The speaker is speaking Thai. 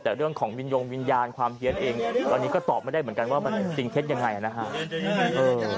แต่เรื่องของวิญญงวิญญาณความเฮียนเองอันนี้ก็ตอบไม่ได้เหมือนกันว่ามันจริงเท็จยังไงนะฮะ